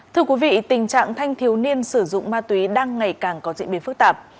thưa quý vị tình trạng thanh thiếu niên sử dụng ma túy đang ngày càng có diễn biến phức tạp